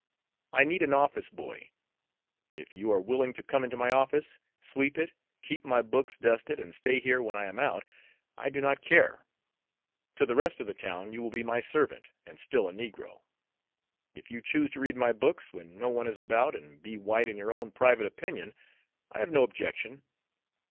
I need an office boy. If you are willing to come into my office, sweep it, keep my books dusted, and stay here when I am out, I do not care. To the rest of the town you will be my servant, and still a negro. If you choose to read my books when no one is about and be white in your own private opinion, I have no objection.